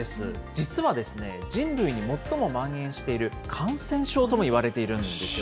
実は、人類に最もまん延している感染症ともいわれているんですよ